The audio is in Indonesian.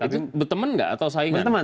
tapi teman nggak atau saingan